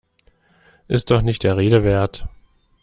Ist doch nicht der Rede wert!